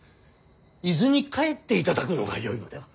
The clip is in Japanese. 伊豆に帰っていただくのがよいのでは。